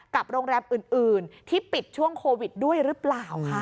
กับโรงแรมอื่นที่ปิดช่วงโควิดด้วยหรือเปล่าค่ะ